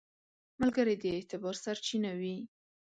ملګری د اعتبار سرچینه وي